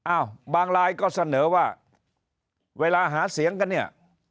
บางรายก็เสนอว่าเวลาหาเสียงกันเนี่ย